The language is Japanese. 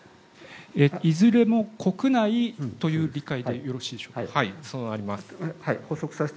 いずれも国内という理解でよろしいでしょうか？